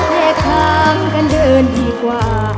แยกทางกันเดินดีกว่า